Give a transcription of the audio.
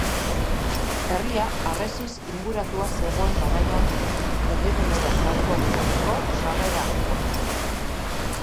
Herria harresiz inguratua zegoen garaian herrigunera sartu ahal izateko sarrera-arkua.